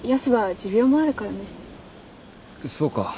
そうか。